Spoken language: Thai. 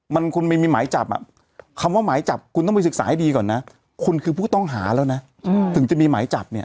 มันคุณไม่มีหมายจับอ่ะคำว่าหมายจับคุณต้องไปศึกษาให้ดีก่อนนะคุณคือผู้ต้องหาแล้วนะถึงจะมีหมายจับเนี่ย